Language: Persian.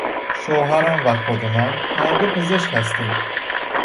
شوهرم و خود من هر دو پزشک هستیم.